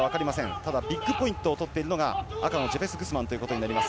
ただビッグポイントを取っているのが赤のジェペス・グスマンとなります。